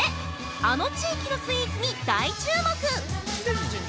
あの地域のスイーツに大注目！